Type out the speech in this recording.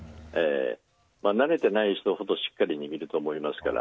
慣れていない人ほどしっかり握ると思いますから。